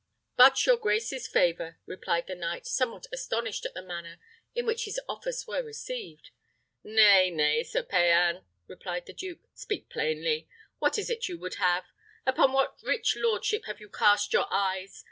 "But your grace's favour," replied the knight, somewhat astonished at the manner in which his offers were received. "Nay, nay, Sir Payan!" replied the duke; "speak plainly. What is it you would have? Upon what rich lordship have you cast your eyes?